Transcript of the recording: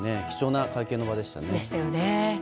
貴重な会見の場でしたよね。